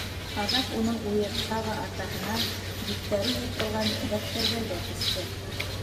Аҙаҡ уның уйы тағы атаһына, биттәре йыртылған дәфтәрҙәргә күсте.